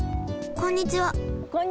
こんにちは！